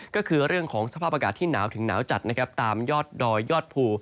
ก็คือเรื่องของสภาพอากาศที่หนาวถึงหนาวจัดนะครับตามยอดดอยยอดภู